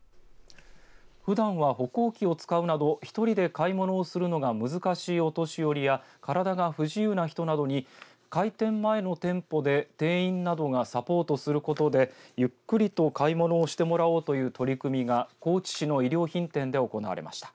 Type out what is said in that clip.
ふだんは歩行器を使うなど１人で買い物するのが難しいお年寄りや体が不自由な人などに開店前の店舗で店員などがサポートすることでゆっくりと買い物をしてもらおうという取り組みが高知市の衣料品店で行われました。